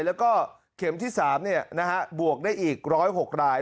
แล้วก็เข็มที่สามเนี่ยนะฮะบวกได้อีกร้อยหกราย